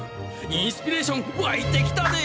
インスピレーション湧いてきたで！